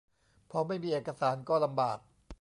พอไม่มีเอกสารก็ลำบาก